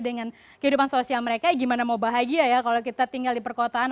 dengan kehidupan sosial mereka gimana mau bahagia ya kalau kita tinggal di perkotaan